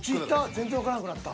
全然わからんくなった。